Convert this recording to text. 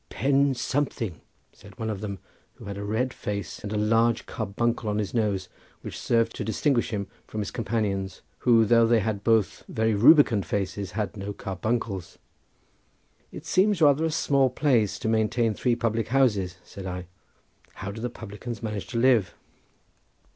"Pen something," said one of them, who had a red face and a large carbuncle on his nose, which served to distinguish him from his companions, who though they had both very rubicund faces had no carbuncles. "It seems rather a small place to maintain three public houses," said I; "how do the publicans manage to live?"